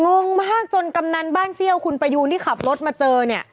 งงมากจนกำนันบ้านเซี่ยวคุณประยูนที่ขับรถมาเจอเนี่ย